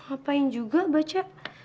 apain juga baca